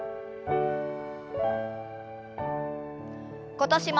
今年も。